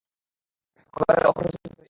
পরিবারের অপর সদস্যদের পড়তে দিন।